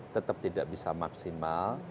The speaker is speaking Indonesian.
tetap tidak bisa maksimal